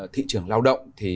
thị trường lao động thì